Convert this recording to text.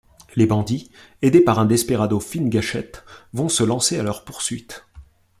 Les bandits, aidés par un desperado fine gâchette, vont se lancer à leur poursuite.